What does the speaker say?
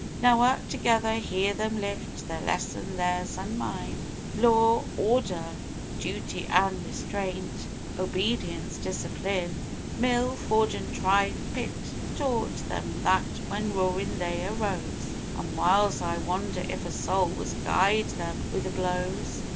Now, a' together, hear them lift their lesson theirs an' mine: "Law, Orrder, Duty an' Restraint, Obedience, Discipline!" Mill, forge an' try pit taught them that when roarin' they arose, An' whiles I wonder if a soul was gied them wi' the blows.